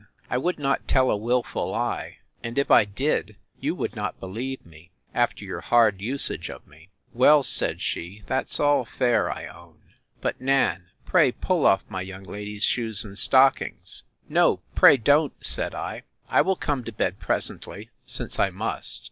—I would not tell a wilful lie: and if I did, you would not believe me, after your hard usage of me. Well, said she, that's all fair, I own!—But Nan, pray pull off my young lady's shoes and stockings.—No, pray don't, said I; I will come to bed presently, since I must.